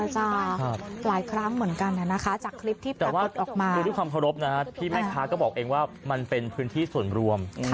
แต่ว่าดูที่ความคลอบนะฮะพี่แมทรารก็บอกเองว่ามันเป็นพื้นที่ส่วนรวม